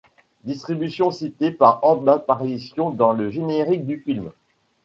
Distribution citée par ordre d'apparition dans le générique du film.